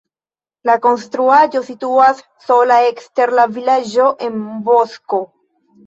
La konstruaĵo situas sola ekster la vilaĝo en bosko.